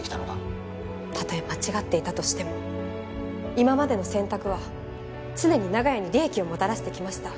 たとえ間違っていたとしても今までの選択は常に長屋に利益をもたらしてきました。